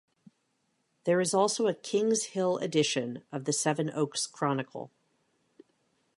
There is also a King's Hill edition of the Sevenoaks Chronicle.